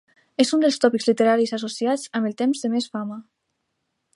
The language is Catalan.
És un dels tòpics literaris associats amb el temps de més fama.